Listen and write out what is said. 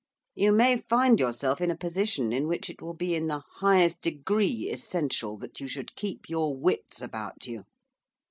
You may find yourself in a position in which it will be in the highest degree essential that you should keep your wits about you.